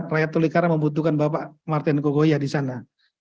rakyat tolikara membutuhkan bapak martin kogoya di sana